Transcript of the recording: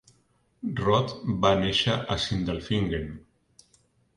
Roth va néixer a Sindelfingen.